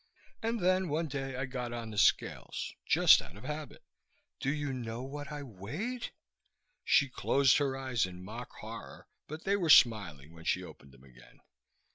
And then one day I got on the scales, just out of habit. Do you know what I weighed?" She closed her eyes in mock horror, but they were smiling when she opened them again.